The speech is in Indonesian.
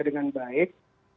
ya dengan baik